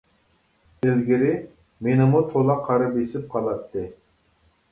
ئىلگىرى مېنىمۇ تولا قارا بېسىپ قالاتتى.